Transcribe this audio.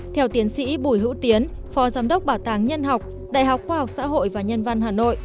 theo tiến sĩ bùi hữu tiến phó giám đốc bảo tàng nhân học đại học khoa học xã hội và nhân văn hà nội